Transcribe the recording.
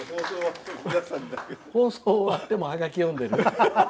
放送終わってもハガキ読んでる。